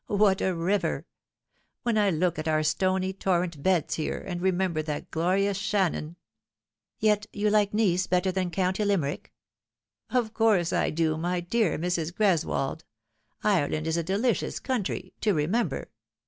What a river ! When I look at our stony torrent beds here, and remember that glorious Shannon 1" " Yet you like Nice better than county Limerick ?"" Of course I do, my dear Mrs. Greswold. Ireland is a delicious country to remember.